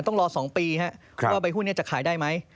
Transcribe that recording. ต้องรอ๒ปีว่าใบหุ้นนี้จะขายได้ไหม